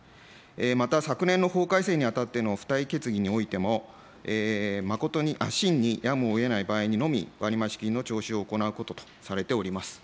また昨年の法改正にあたっての付帯決議においても、真にやむをえない場合にのみ、割増金の徴収を行うこととされております。